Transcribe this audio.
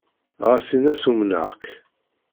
Ɣas in-as umneɣ-k.